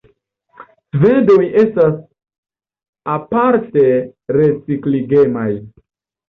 Svedoj estas aparte recikligemaj.